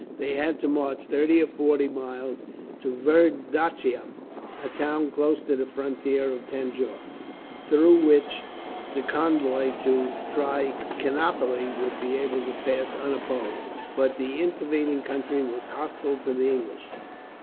They had to march thirty or forty miles to Verdachelam, a town close to the frontier of Tanjore, through which the convoy to Trichinopoli would be able to pass unopposed, but the intervening country was hostile to the English.